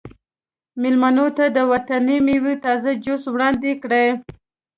میلمنو ته د وطني میوو تازه جوس وړاندې کړئ